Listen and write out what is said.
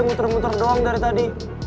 muter muter doang dari tadi